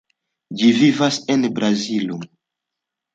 Ĝi vivas en Brazilo.